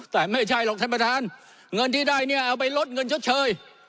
แต่ไม่ใช่หรอกท่านประธานเงินที่ได้เนี่ยเอาไปลดเงินชดเชย